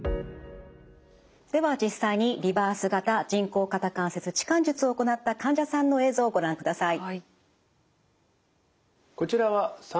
では実際にリバース型人工肩関節置換術を行った患者さんの映像をご覧ください。